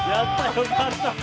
よかった！